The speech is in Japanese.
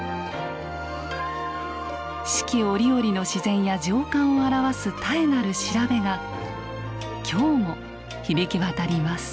四季折々の自然や情感を表す「妙なる調べ」が今日も響き渡ります。